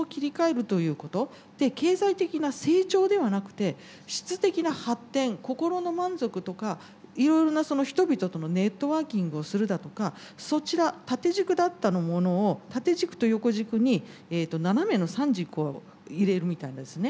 で経済的な成長ではなくて質的な発展心の満足とかいろいろな人々とのネットワーキングをするだとかそちら縦軸だったものを縦軸と横軸に斜めの３軸を入れるみたいなですね